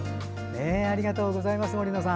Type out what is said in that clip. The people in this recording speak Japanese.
ありがとうございます森野さん。